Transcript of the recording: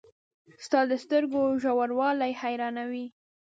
• ستا د سترګو ژوروالی حیرانوي.